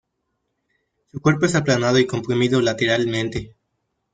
Su cuerpo es aplanado y comprimido lateralmente.